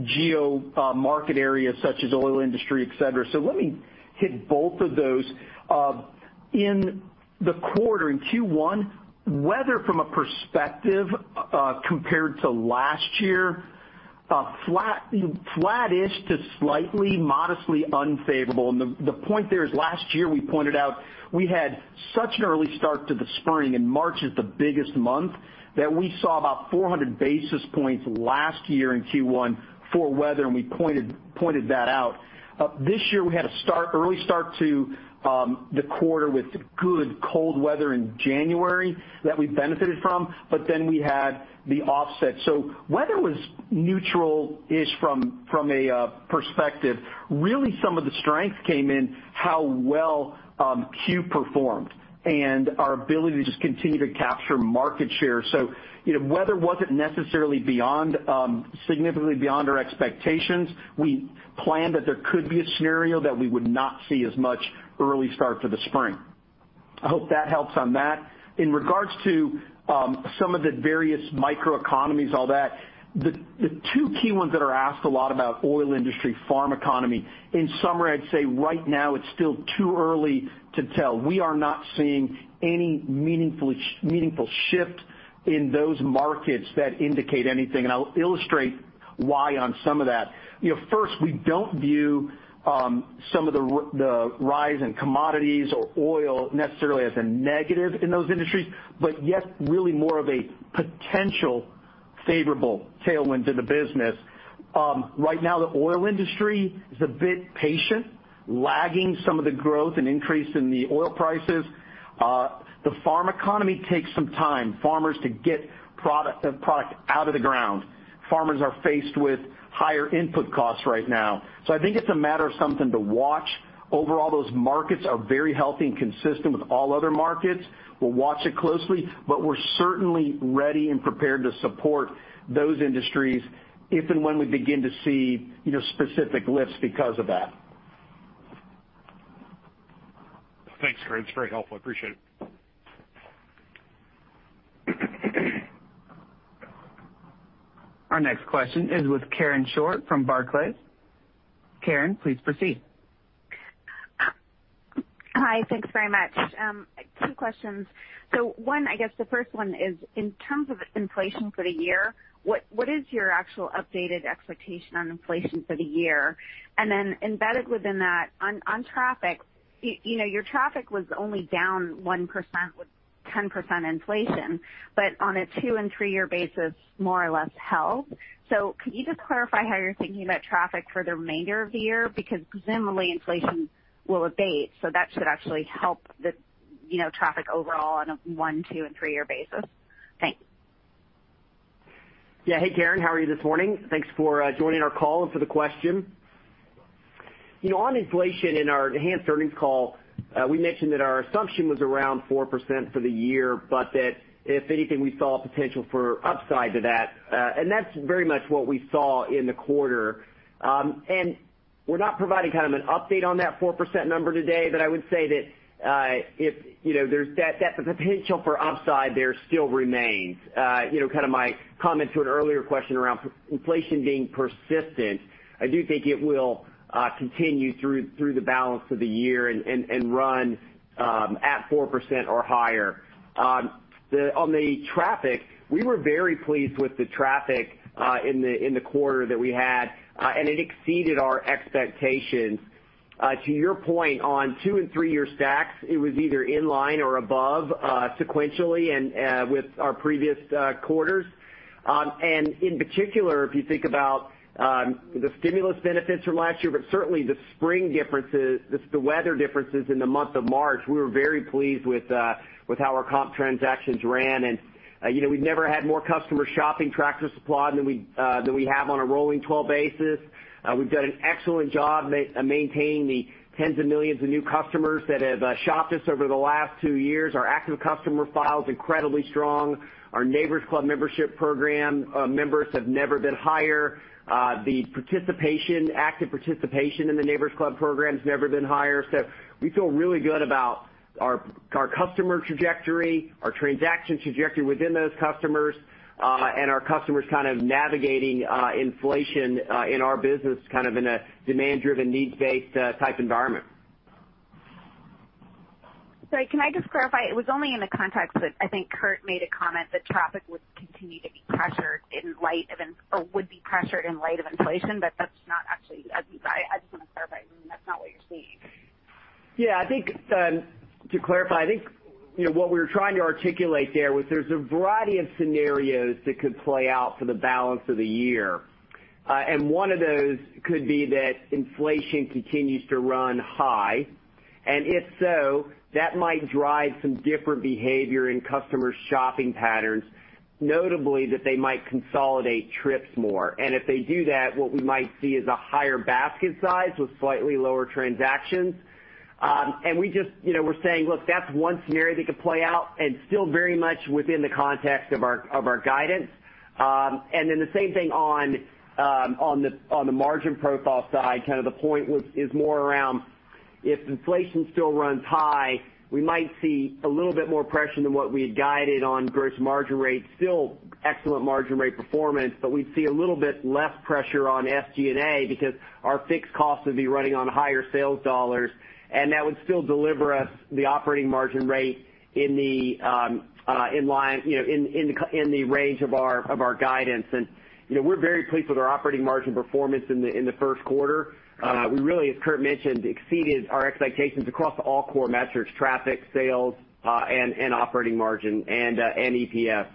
geo market areas such as oil industry, et cetera. Let me hit both of those. In the quarter, in Q1, weather from a perspective compared to last year, flattish to slightly modestly unfavorable. The point there is last year, we pointed out we had such an early start to the spring, and March is the biggest month, that we saw about 400 basis points last year in Q1 for weather, and we pointed that out. This year, we had an early start to the quarter with good cold weather in January that we benefited from, but then we had the offset. Weather was neutral-ish from a perspective. Really, some of the strength came in how well Q performed and our ability to just continue to capture market share. You know, weather wasn't necessarily significantly beyond our expectations. We planned that there could be a scenario that we would not see as much early start to the spring. I hope that helps on that. In regards to some of the various microeconomies, all that, the two key ones that are asked a lot about oil industry, farm economy, in summary, I'd say right now it's still too early to tell. We are not seeing any meaningful shift in those markets that indicate anything, and I'll illustrate why on some of that. You know, first, we don't view some of the rise in commodities or oil necessarily as a negative in those industries, but yet really more of a potential favorable tailwind to the business. Right now, the oil industry is a bit patient, lagging some of the growth and increase in the oil prices. The farm economy takes some time for farmers to get product out of the ground. Farmers are faced with higher input costs right now. I think it's a matter of something to watch. Overall, those markets are very healthy and consistent with all other markets. We'll watch it closely, but we're certainly ready and prepared to support those industries if and when we begin to see, you know, specific lifts because of that. Thanks, Kurt. It's very helpful. I appreciate it. Our next question is with Karen Short from Barclays. Karen, please proceed. Hi. Thanks very much. Two questions. One, I guess the first one is, in terms of inflation for the year, what is your actual updated expectation on inflation for the year? Then embedded within that, on traffic, you know, your traffic was only down 1% with 10% inflation, but on a two and three year basis, more or less held. Could you just clarify how you're thinking about traffic for the remainder of the year? Because presumably inflation will abate, so that should actually help the, you know, traffic overall on a one, two and three year basis. Thanks. Yeah. Hey, Karen, how are you this morning? Thanks for joining our call and for the question. You know, on inflation, in our enhanced earnings call, we mentioned that our assumption was around 4% for the year, but that if anything, we saw potential for upside to that. And that's very much what we saw in the quarter. We're not providing kind of an update on that 4% number today, but I would say that the potential for upside there still remains. Kind of my comment to an earlier question around inflation being persistent, I do think it will continue through the balance of the year and run at 4% or higher. On the traffic, we were very pleased with the traffic in the quarter that we had, and it exceeded our expectations. To your point on two and three year stacks, it was either in line or above sequentially and with our previous quarters. In particular, if you think about the stimulus benefits from last year, but certainly the spring differences, the weather differences in the month of March, we were very pleased with how our comp transactions ran. You know, we've never had more customers shopping Tractor Supply than we have on a rolling 12 basis. We've done an excellent job maintaining the tens of millions of new customers that have shopped us over the last two years. Our active customer file is incredibly strong. Our Neighbor's Club membership program members have never been higher. The participation, active participation in the Neighbor's Club program has never been higher. We feel really good about our customer trajectory, our transaction trajectory within those customers, and our customers kind of navigating inflation in our business, kind of in a demand-driven, needs-based type environment. Sorry, can I just clarify? It was only in the context that I think Kurt made a comment that traffic would continue to be pressured or would be pressured in light of inflation, but that's not actually, I think I just wanna clarify. I mean, that's not what you're seeing. Yeah, I think to clarify, you know, what we were trying to articulate there was there's a variety of scenarios that could play out for the balance of the year. One of those could be that inflation continues to run high, and if so, that might drive some different behavior in customer shopping patterns, notably that they might consolidate trips more. If they do that, what we might see is a higher basket size with slightly lower transactions. We just, you know, we're saying, look, that's one scenario that could play out and still very much within the context of our guidance. The same thing on the margin profile side, the point is more around if inflation still runs high, we might see a little bit more pressure than what we had guided on gross margin rates. Still excellent margin rate performance, but we'd see a little bit less pressure on SG&A because our fixed costs would be running on higher sales dollars, and that would still deliver us the operating margin rate in line, you know, in the range of our guidance. You know, we're very pleased with our operating margin performance in the first quarter. We really, as Kurt mentioned, exceeded our expectations across all core metrics, traffic, sales, and operating margin and EPS.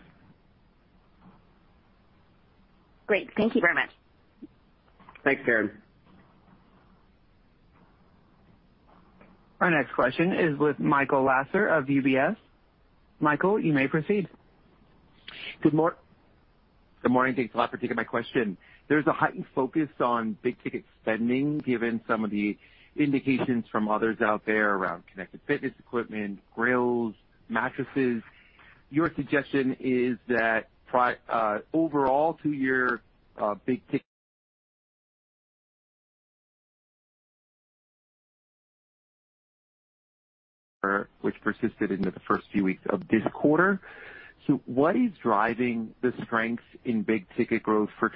Great. Thank you very much. Thanks, Karen. Our next question is with Michael Lasser of UBS. Michael, you may proceed. Good morning. Thanks a lot for taking my question. There's a heightened focus on big ticket spending given some of the indications from others out there around connected fitness equipment, grills, mattresses. Your suggestion is that big ticket which persisted into the first few weeks of this quarter. What is driving the strength in big ticket growth for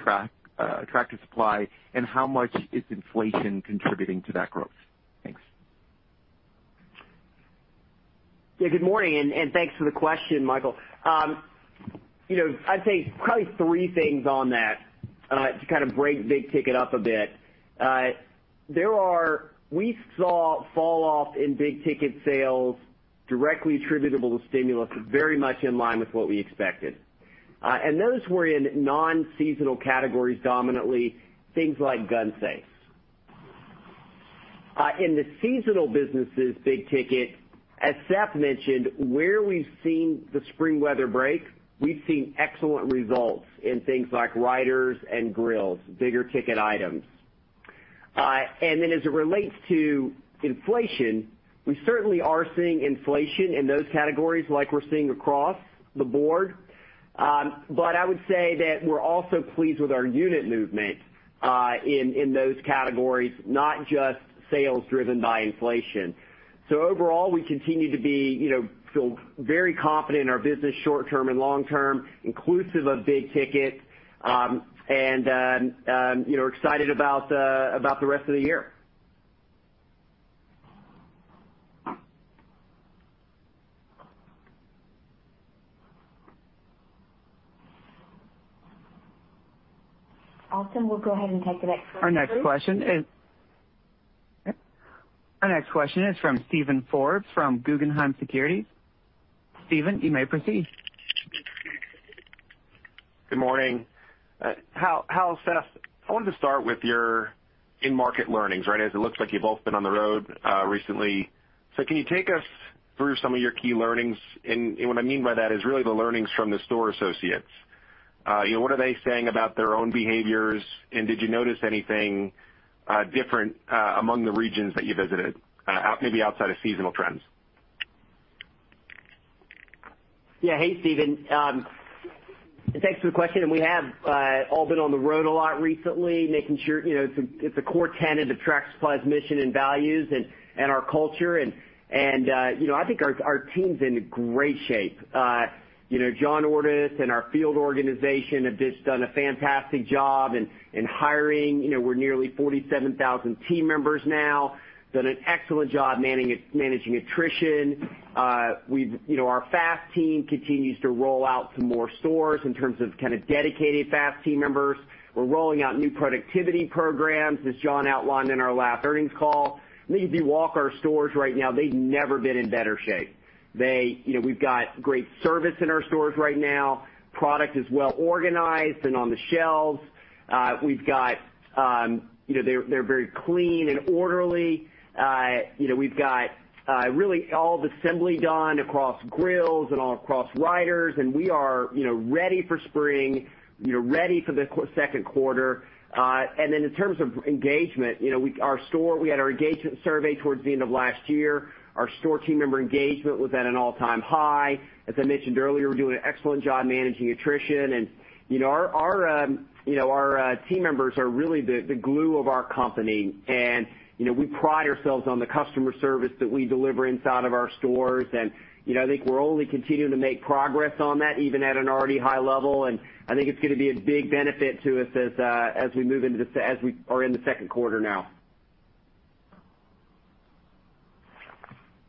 Tractor Supply, and how much is inflation contributing to that growth? Thanks. Yeah, good morning, and thanks for the question, Michael. You know, I'd say probably three things on that, to kind of break big ticket up a bit. We saw fall off in big ticket sales directly attributable to stimulus very much in line with what we expected. And those were in non-seasonal categories, dominantly things like gun safes. In the seasonal businesses, big ticket, as Seth mentioned, where we've seen the spring weather break, we've seen excellent results in things like riders and grills, bigger ticket items. And then as it relates to inflation, we certainly are seeing inflation in those categories like we're seeing across the board. But I would say that we're also pleased with our unit movement, in those categories, not just sales driven by inflation. Overall, we continue to be, you know, feel very confident in our business short-term and long-term, inclusive of big ticket, and, you know, excited about about the rest of the year. Awesome. We'll go ahead and take the next question, please. Our next question is from Steven Forbes from Guggenheim Securities. Steven, you may proceed. Good morning. Hal, Seth, I wanted to start with your in-market learnings, right? As it looks like you've both been on the road recently. Can you take us through some of your key learnings? What I mean by that is really the learnings from the store associates. You know, what are they saying about their own behaviors, and did you notice anything different among the regions that you visited, maybe outside of seasonal trends? Yeah. Hey, Steven, thanks for the question, and we have all been on the road a lot recently, making sure, you know, it's a core tenet of Tractor Supply's mission and values and our culture and, you know, I think our team's in great shape. John Ordus and our field organization have just done a fantastic job in hiring. You know, we're nearly 47,000 team members now. Done an excellent job managing attrition. You know, our fast team continues to roll out some more stores in terms of kinda dedicated fast team members. We're rolling out new productivity programs, as John outlined in our last earnings call. I mean, if you walk our stores right now, they've never been in better shape. You know, we've got great service in our stores right now. Product is well organized and on the shelves. We've got you know, they're very clean and orderly. You know, we've got really all the assembly done across grills and all across riders, and we are, you know, ready for spring, you know, ready for the second quarter. Then in terms of engagement, you know, we had our engagement survey towards the end of last year. Our store team member engagement was at an all-time high. As I mentioned earlier, we're doing an excellent job managing attrition. You know, our team members are really the glue of our company. You know, we pride ourselves on the customer service that we deliver inside of our stores. You know, I think we're only continuing to make progress on that, even at an already high level, and I think it's gonna be a big benefit to us as we are in the second quarter now.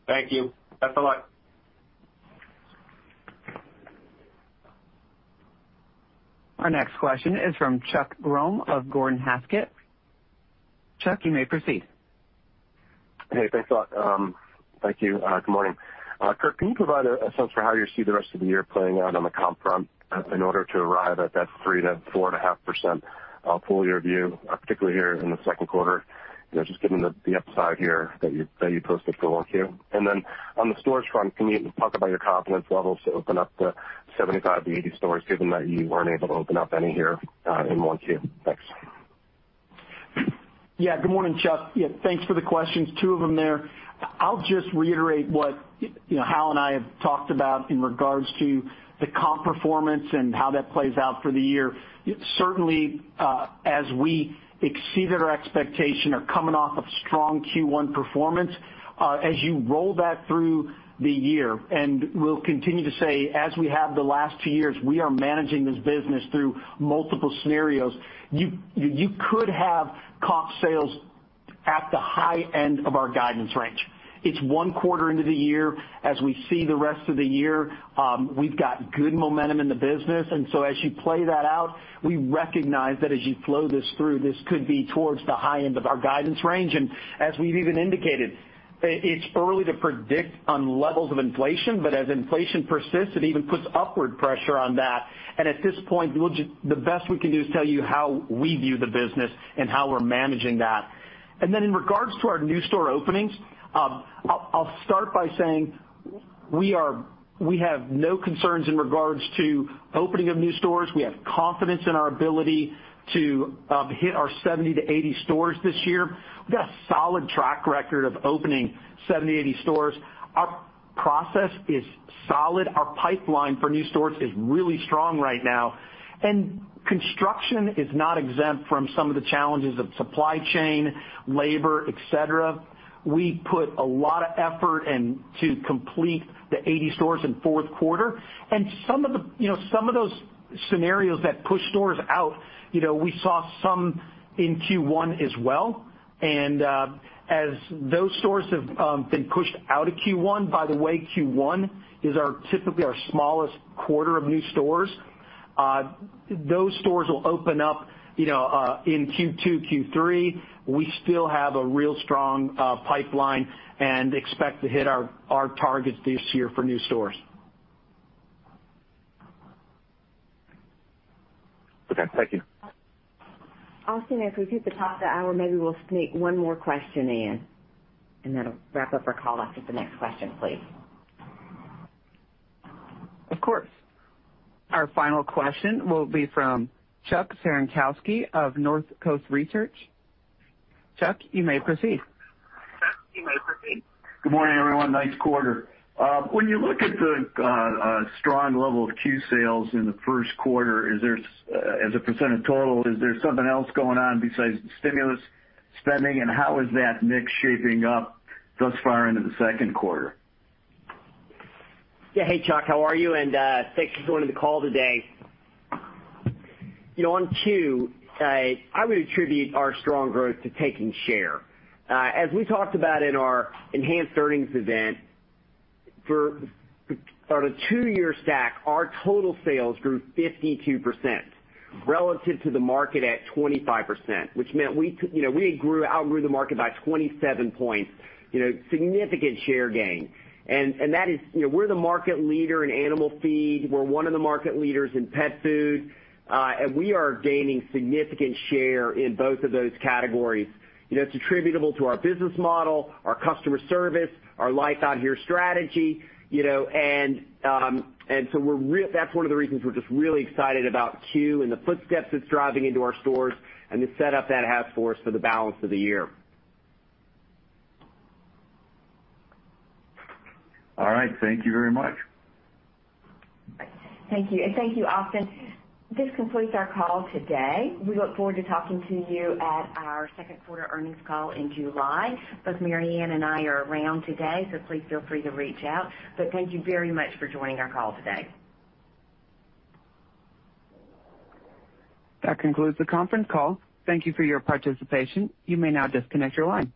Thank you. Best of luck. Our next question is from Chuck Grom of Gordon Haskett. Chuck, you may proceed. Hey, thanks a lot. Thank you. Good morning. Kurt, can you provide a sense for how you see the rest of the year playing out on the comp front in order to arrive at that 3%-4.5% full-year view, particularly here in the second quarter? You know, just given the upside here that you posted for 1Q. Then on the stores front, can you talk about your confidence levels to open up the 75-80 stores, given that you weren't able to open up any here in 1Q? Thanks. Yeah. Good morning, Chuck. Yeah, thanks for the questions. Two of them there. I'll just reiterate what, you know, Hal and I have talked about in regards to the comp performance and how that plays out for the year. Certainly, as we exceeded our expectations coming off of strong Q1 performance, as you roll that through the year, and we'll continue to say, as we have the last two years, we are managing this business through multiple scenarios. You could have comp sales at the high end of our guidance range. It's one quarter into the year. As we see the rest of the year, we've got good momentum in the business. As you play that out, we recognize that as you flow this through, this could be towards the high end of our guidance range. As we've even indicated, it's early to predict on levels of inflation, but as inflation persists, it even puts upward pressure on that. At this point, the best we can do is tell you how we view the business and how we're managing that. Then in regards to our new store openings, I'll start by saying we have no concerns in regards to opening of new stores. We have confidence in our ability to hit our 70 stores-80 stores this year. We've got a solid track record of opening 70, 80 stores. Our process is solid. Our pipeline for new stores is really strong right now. Construction is not exempt from some of the challenges of supply chain, labor, et cetera. We put a lot of effort in to complete the 80 stores in fourth quarter. Some of those scenarios that push stores out, you know, we saw some in Q1 as well. As those stores have been pushed out of Q1, by the way, Q1 is typically our smallest quarter of new stores. Those stores will open up, you know, in Q2, Q3. We still have a real strong pipeline and expect to hit our targets this year for new stores. Okay. Thank you. Austin, if we keep the top of the hour, maybe we'll sneak one more question in, and that'll wrap up our call after the next question, please. Of course. Our final question will be from Chuck Cerankosky of Northcoast Research. Chuck, you may proceed. Chuck, you may proceed. Good morning, everyone. Nice quarter. When you look at the strong level of C.U.E. sales in the first quarter, as a percent of total, is there something else going on besides stimulus spending? How is that mix shaping up thus far into the second quarter? Yeah. Hey, Chuck. How are you? Thanks for joining the call today. You know, on Q, I would attribute our strong growth to taking share. As we talked about in our enhanced earnings event, on a two-year stack, our total sales grew 52% relative to the market at 25%, which meant we outgrew the market by 27 points. You know, significant share gain. That is, you know, we're the market leader in animal feed. We're one of the market leaders in pet food. And we are gaining significant share in both of those categories. You know, it's attributable to our business model, our customer service, our Life Out Here strategy, you know. That's one of the reasons we're just really excited about Q and the foot traffic it's driving into our stores and the setup that has for us for the balance of the year. All right. Thank you very much. Thank you. Thank you, Austin. This concludes our call today. We look forward to talking to you at our second quarter earnings call in July. Both Mary Winn and I are around today, so please feel free to reach out. Thank you very much for joining our call today. That concludes the conference call. Thank you for your participation. You may now disconnect your line.